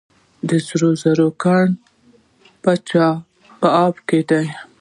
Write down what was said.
د سرو زرو کان په چاه اب کې دی